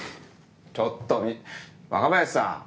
ちょっと若林さん！